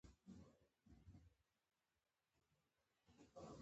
د تور بازار Underground Economy شتمنۍ ورڅخه پاتې کیږي.